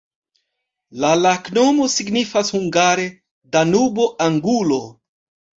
La loknomo signifas hungare: Danubo-angulo.